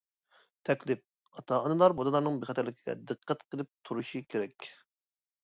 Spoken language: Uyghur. تەكلىپ: ئاتا-ئانىلار بالىلارنىڭ بىخەتەرلىكىگە دىققەت قىلىپ تۇرۇشى كېرەك.